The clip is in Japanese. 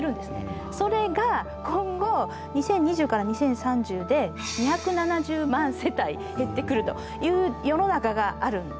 それが今後２０２０から２０３０で２７０万世帯減ってくるという世の中があるんですね。